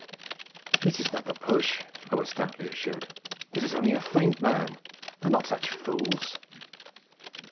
'This is not the push,' I was stoutly assured. 'This is only a feint, man. They are not such fools